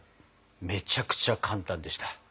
めちゃくちゃ簡単でした。